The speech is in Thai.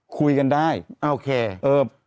คุยกันได้